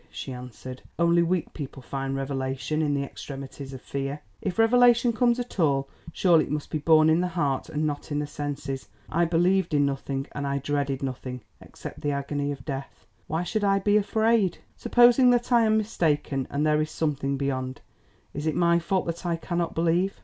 she answered; "only weak people find revelation in the extremities of fear. If revelation comes at all, surely it must be born in the heart and not in the senses. I believed in nothing, and I dreaded nothing, except the agony of death. Why should I be afraid? Supposing that I am mistaken, and there is something beyond, is it my fault that I cannot believe?